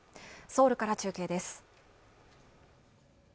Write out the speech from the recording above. ソウルから中継です